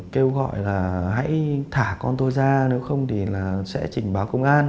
kêu gọi là hãy thả con tôi ra nếu không thì là sẽ trình báo công an